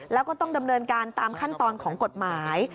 แล้วก็ต้องดำเนินการตามขั้นตอนของกฎหมาย